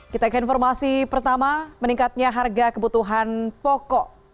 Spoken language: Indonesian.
kita ke informasi pertama meningkatnya harga kebutuhan pokok